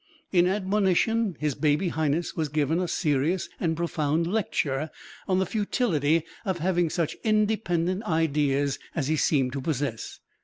In admonition his baby highness was given a serious and profound lecture on the futility of having such independent ideas as he seemed to possess.